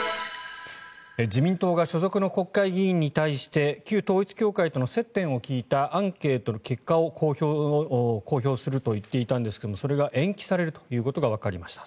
自民党が所属の国会議員に対して旧統一教会との接点を聞いたアンケートの結果を公表するといっていたんですがそれが延期されるということがわかりました。